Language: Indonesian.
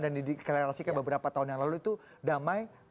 dan diklarasikan beberapa tahun yang lalu itu damai